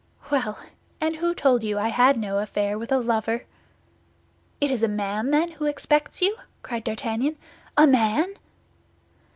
"Well! And who told you I had no affair with a lover?" "It is a man, then, who expects you?" cried D'Artagnan. "A man!"